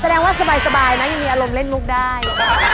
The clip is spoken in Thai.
แสดงว่าสบายนะยังมีอารมณ์เล่นมุกได้